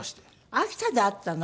秋田であったの？